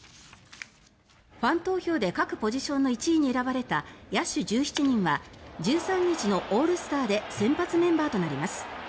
ファン投票で各ポジションの１位に選ばれた野手１７人は１３日のオールスターで先発メンバーとなります。